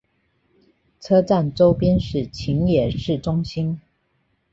车站周边是秦野市中心。